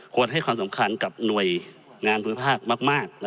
ให้ความสำคัญกับหน่วยงานภูมิภาคมาก